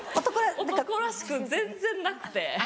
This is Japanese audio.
男らしく全然なくて。